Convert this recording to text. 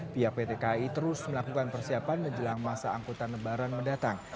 pihak pt kai terus melakukan persiapan menjelang masa angkutan lebaran mendatang